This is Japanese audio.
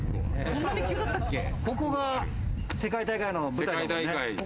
ここが世界大会の舞台。